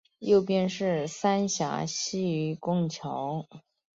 右边是三峡溪与拱桥